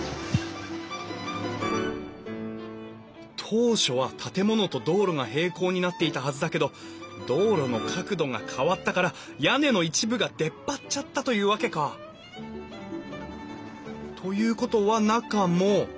当初は建物と道路が平行になっていたはずだけど道路の角度が変わったから屋根の一部が出っ張っちゃったというわけか。ということは中も。